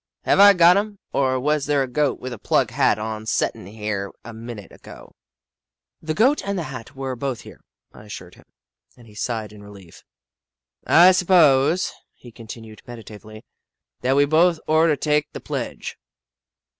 Have I got 'em, or was there a Goat with a plug hat on settin' here a minute ago?" " The Goat and the hat were both here," I assured him, and he sighed in relief. " I suppose," he continued, meditatively, " that we both orter take the pledge."